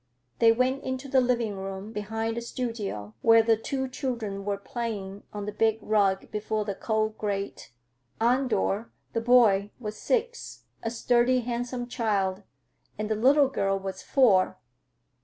They went into the living room, behind the studio, where the two children were playing on the big rug before the coal grate. Andor, the boy, was six, a sturdy, handsome child, and the little girl was four.